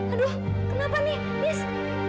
aduh kenapa nih miss